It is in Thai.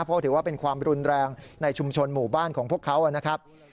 เพราะถือว่าเป็นความรุนแรงในชุมชนหมู่บ้านของพวกเขานะครับ